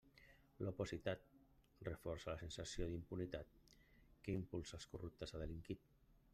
L'opacitat reforça la sensació d'impunitat que impulsa els corruptes a delinquir.